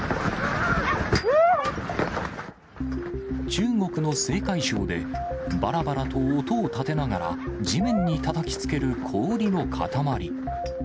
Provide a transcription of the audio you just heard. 中国の青海省で、ばらばらと音を立てながら地面にたたきつける氷の塊。